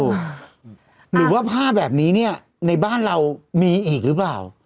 หรือว่าผ้าแบบนี้เนี่ยในบ้านเรามีอีกหรือเปล่า